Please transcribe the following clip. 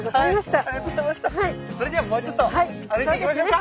それではもうちょっと歩いていきましょうか！